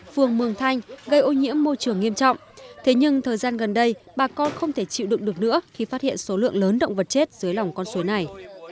phường mường thanh gây ô nhiễm môi trường nghiêm trọng thế nhưng thời gian gần đây bà con không thể chịu đựng được nữa khi phát hiện số lượng lớn động vật chết dưới lòng con suối này